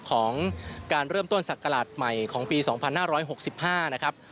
ของการเริ่มต้นศักราชใหม่ของปี๒๕๖๕นะครับ